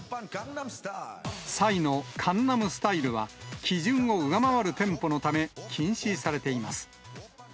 サイのカンナムスタイルは、基準を上回るテンポのため、禁止されています。